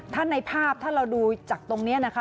ถ้าในภาพถ้าเราดูจากตรงนี้นะคะ